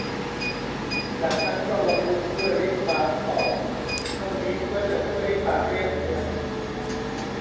จากนั้นก็บำรุงด้วยลิปบาล์มต่อ เท่านี้ก็จะช่วยให้ปากเรียบเนียน